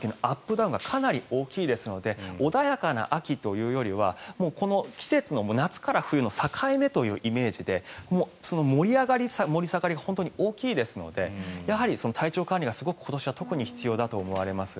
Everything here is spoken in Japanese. ダウンがかなり大きいですので穏やかな秋というよりは季節の夏から冬の境目というイメージで盛り上がり、盛り下がりが大きいですのでやはり体調管理が今年は特に必要だと思います。